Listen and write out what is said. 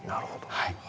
はい。